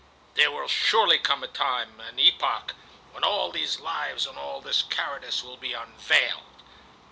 There will surely come a time, an epoch, when all these lives and all this cowardice will be unveiled!